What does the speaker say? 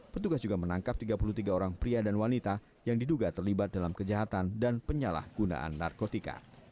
petugas juga menangkap tiga puluh tiga orang pria dan wanita yang diduga terlibat dalam kejahatan dan penyalahgunaan narkotika